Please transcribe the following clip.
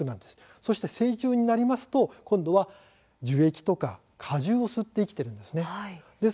そして成虫になりますと樹液とか果汁を吸って生きているんです。